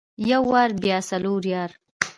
يو واري بيا څلور ياره.